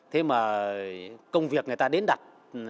thế mà công việc người ta đến đặt